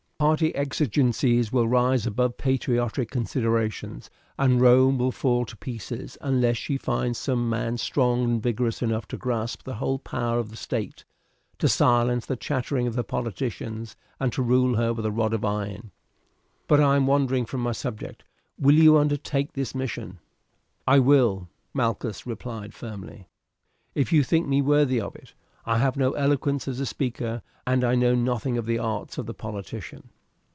Party exigencies will rise above patriotic considerations, and Rome will fall to pieces unless she finds some man strong and vigourous enough to grasp the whole power of the state, to silence the chattering of the politicians, and to rule her with a rod of iron. But I am wandering from my subject. Will you undertake this mission?" "I will," Malchus replied firmly, "if you think me worthy of it. I have no eloquence as a speaker, and know nothing of the arts of the politician."